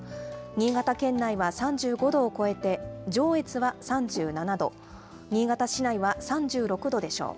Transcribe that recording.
新潟県内は３５度を超えて、上越は３７度、新潟市内は３６度でしょう。